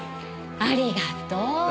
ありがとう。